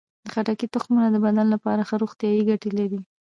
د خټکي تخمونه د بدن لپاره ښه روغتیايي ګټې لري.